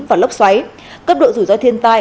và lốc xoáy cấp độ rủi roi thiên tai